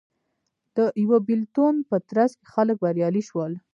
د یوه بېلتون په ترڅ کې خلک بریالي شول